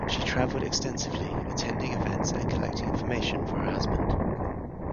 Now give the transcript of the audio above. She travelled extensively, attending events and collecting information for her husband.